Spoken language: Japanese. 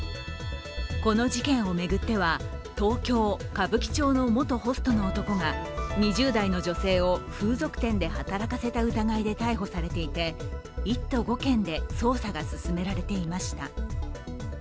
この事件を巡っては東京・歌舞伎町の元ホストの男が２０代の女性を風俗店で働かせた疑いで逮捕されていて１都５県で捜査が進められていました。